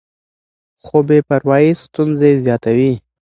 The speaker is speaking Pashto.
خو بې پروايي ستونزې زیاتوي.